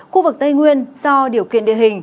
khu vực tây nguyên do điều kiện địa hình